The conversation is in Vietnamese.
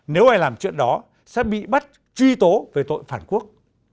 nếu ai làm chuyện đó sẽ bị bắt truy tố về tội phản quốc